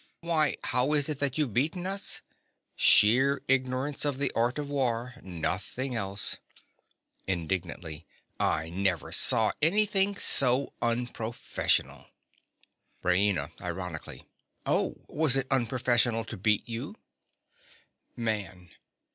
Why, how is it that you've just beaten us? Sheer ignorance of the art of war, nothing else. (Indignantly.) I never saw anything so unprofessional. RAINA. (ironically). Oh, was it unprofessional to beat you? MAN.